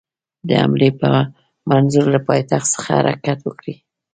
د حملې په منظور له پایتخت څخه حرکت وکړي.